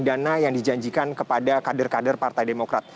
ada iming iming dana yang dijanjikan kepada kader kader partai demokrat